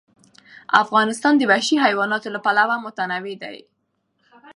افغانستان د وحشي حیواناتو له پلوه متنوع دی.